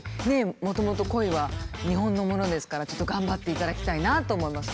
もともとコイは日本のものですからちょっと頑張っていただきたいなと思います。